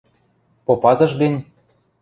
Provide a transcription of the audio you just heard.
– Попазыш гӹнь?